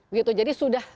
begitu jadi sudah